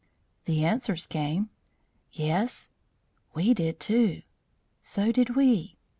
The answers came: "Yes." "We did too." "So did we."